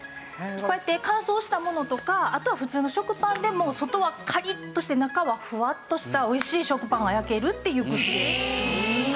こうやって乾燥したものとかあとは普通の食パンでも外はカリッとして中はふわっとしたおいしい食パンが焼けるっていうグッズです。